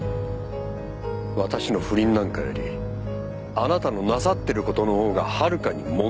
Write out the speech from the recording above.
私の不倫なんかよりあなたのなさっている事のほうがはるかに問題ですよ。